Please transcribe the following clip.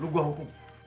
lo gua hubungi